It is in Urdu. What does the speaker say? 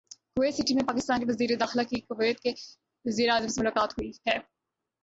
کویت سٹی میں پاکستان کے وزیر داخلہ کی کویت کے وزیراعظم سے ملاقات ہوئی ہے